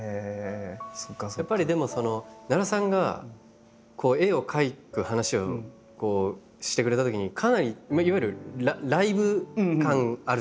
やっぱりでも奈良さんが絵を描く話をしてくれたときにかなりいわゆるライブ感あるじゃないですか。